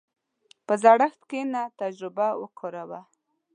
په زړښت کښېنه، تجربه وکاروه.